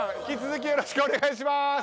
引き続きよろしくお願いします。